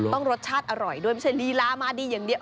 รสชาติอร่อยด้วยไม่ใช่ลีลามาดีอย่างเดียว